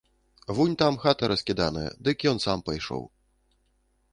Вунь там хата раскіданая, дык ён сам пайшоў.